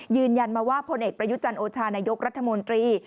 ยืนยันมาว่าพลเอกประยุจันโอชานายกรัฐมนตรี